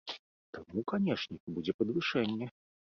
Таму, канешне, будзе падвышэнне.